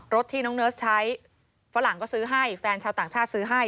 ที่น้องเนิร์สใช้ฝรั่งก็ซื้อให้แฟนชาวต่างชาติซื้อให้